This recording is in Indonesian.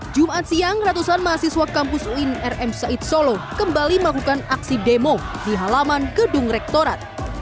jumat siang ratusan mahasiswa kampus uin rm said solo kembali melakukan aksi demo di halaman gedung rektorat